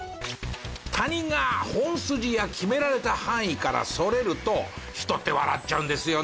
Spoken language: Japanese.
他人が本筋や決められた範囲からそれると人って笑っちゃうんですよね。